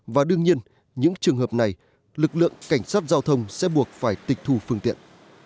và đương nhiên những trường hợp này lực lượng cảnh sát giao thông sẽ buộc phải tịch thu phương tiện